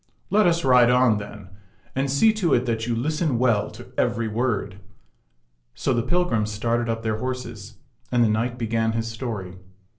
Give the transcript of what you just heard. Let us ride on, then ; and see to it that you listen well to every word." So the pilgrims started up their horses, and the knight began his story.